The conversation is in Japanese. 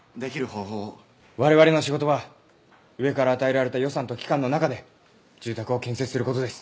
我々の仕事は上から与えられた予算と期間の中で住宅を建設する事です。